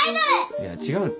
いや違うって。